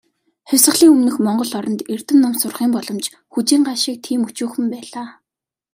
Хувьсгалын өмнөх монгол оронд, эрдэм ном сурахын боломж "хүжийн гал" шиг тийм өчүүхэн байлаа.